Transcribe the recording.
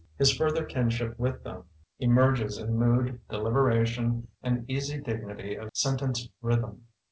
His further kinship with them 58 THE BOOKMAN emerges in mood, deliberation, and easy dign^ity of sentence rhythm.